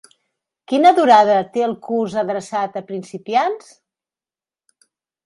Quina durada té el curs adreçat a principiants?